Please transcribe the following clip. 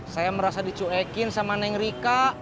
saya merasa dicuekin sama neng rika